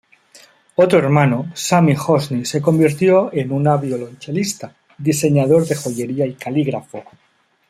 Otro hermano, Sami Hosni se convirtió en una violonchelista, diseñador de joyería y calígrafo.